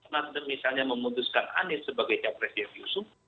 nasdem misalnya memutuskan anies sebagai capres yang diusung